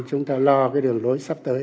chúng ta lo cái đường lối sắp tới